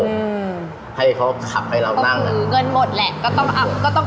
อืมให้เขาขับให้เราตั้งอ่ะคือเงินหมดแหละก็ต้องเอาก็ต้อง